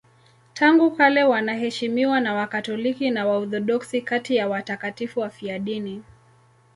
Tangu kale wanaheshimiwa na Wakatoliki na Waorthodoksi kati ya watakatifu wafiadini.